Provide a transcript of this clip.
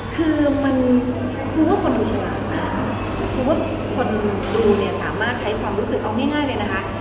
คือมันคือว่าคนดูฉลาดมากเพราะว่าคนดูเนี่ยสามารถใช้ความรู้สึกเอาง่ายเลยนะคะ